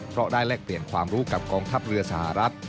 เพราะได้แลกเปลี่ยนความรู้กับกองทัพเรือสหรัฐ